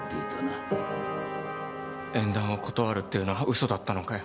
縁談を断るっていうのは嘘だったのかよ。